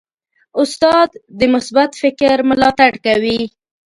استاد د مثبت فکر ملاتړ کوي.